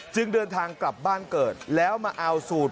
เดินทางกลับบ้านเกิดแล้วมาเอาสูตร